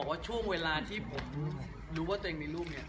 แต่ว่าช่วงเวลาที่ผมรู้ว่าตัวเองมีลูกเนี่ย